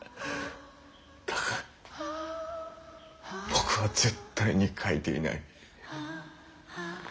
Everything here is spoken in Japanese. だが僕は絶対に描いていないッ！